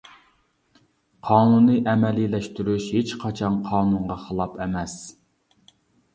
قانۇننى ئەمەلىيلەشتۈرۈش ھېچقاچان قانۇنغا خىلاپ ئەمەس!